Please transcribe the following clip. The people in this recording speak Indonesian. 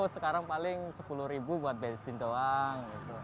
sekarang paling sepuluh ribu buat bensin doang